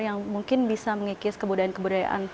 yang mungkin bisa mengikis kebudayaan kebudayaan